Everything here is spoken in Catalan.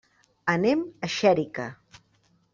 Anem a Xèrica.